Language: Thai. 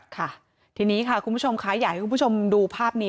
ค่ะทีนี้ค่ะคุณผู้ชมคะอยากให้คุณผู้ชมดูภาพนี้